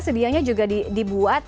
sedianya juga dibuat